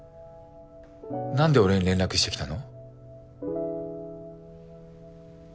何で俺に連絡してきたの？